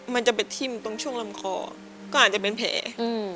มันจะไปทิ้มตรงช่วงลำคอก็อาจจะเป็นแผล